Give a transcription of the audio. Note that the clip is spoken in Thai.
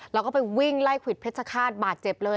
แล้วก็ไปวิ่งไล่ควิดเพชรฆาตบาดเจ็บเลย